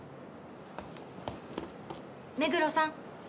目黒さん！